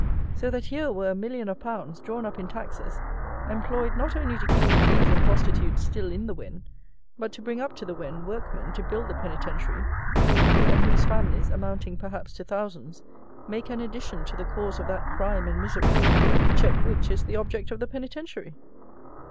So that here were a million of pounds, drawn up in taxes, employed not only to keep the thieves and prostitutes still in the Wen, but to bring up to the Wen workmen to build the penitentiary, who and whose families, amounting, perhaps, to thousands, make an addition to the cause of that crime and misery, to check which is the object of the Penitentiary!